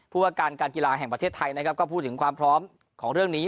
ผู้ว่าการการกีฬาแห่งประเทศไทยนะครับก็พูดถึงความพร้อมของเรื่องนี้